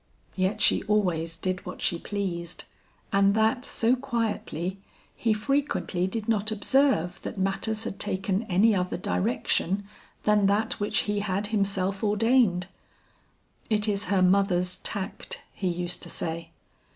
Yet she always did what she pleased, and that so quietly, he frequently did not observe that matters had taken any other direction, than that which he had himself ordained. 'It is her mother's tact,' he used to say.